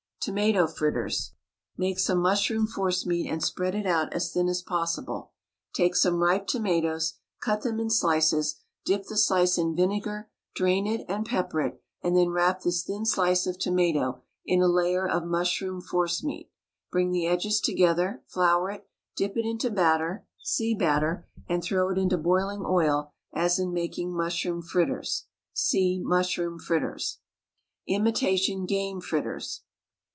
TOMATO FRITTERS. Make some mushroom forcemeat and spread it out as thin as possible. Take some ripe tomatoes, cut them in slices, dip the slice in vinegar, drain it and pepper it, and then wrap this thin slice of tomato in a layer of mushroom forcemeat. Bring the edges together, flour it, dip it into batter (see BATTER), and throw it into boiling oil as in making mushroom fritters (see MUSHROOM FRITTERS). IMITATION GAME FRITTERS.